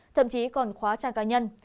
thậm chí còn khóa trang cá nhân